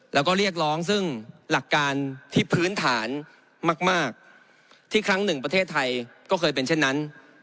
แล้วก็เรียกร้องซึ่งหลักการที่พื้นฐานมากที่ครั้งหนึ่งประเทศไทยก็เคยเป็นเช่นนั้น